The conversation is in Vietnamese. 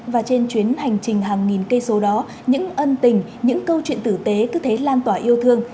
và trên chuyến hành trình hàng nghìn cây số đó những ân tình những câu chuyện tử tế cứ thế lan tỏa yêu thương